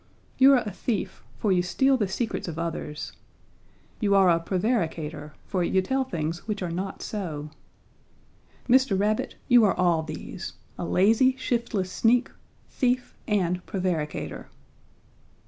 You are a thief, for you steal the secrets of others. You are a prevaricator, for you tell things which are not so. Mr. Rabbit, you are all these a lazy, shiftless sneak, thief and prevaricator.'